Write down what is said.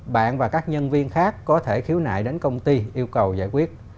bạn và các nhân viên khác có thể khiếu nại đến công ty yêu cầu giải quyết